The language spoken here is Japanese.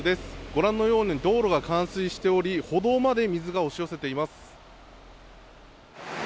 ご覧のように道路が冠水しており、歩道まで水が押し寄せています。